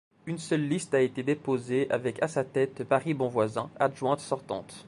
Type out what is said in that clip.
Une seule liste a été déposée avec à sa tête Mary Bonvoisin, adjointe sortante.